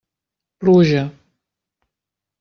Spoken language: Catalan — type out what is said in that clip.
Pluja.